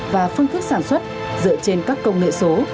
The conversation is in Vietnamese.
và phương thức sản xuất dựa trên các công nghệ số